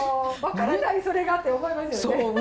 分からないそれがって思いますよね。